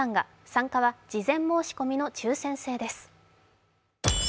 参加は事前申し込みの抽選制です。